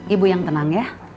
ibu yang tenang ya